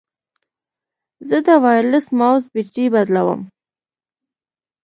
زه د وایرلیس ماؤس بیټرۍ بدلوم.